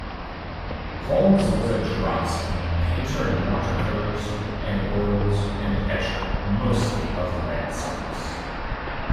Holmes was a draughtsman, painter in watercolours and oils, and etcher, mostly of landscapes.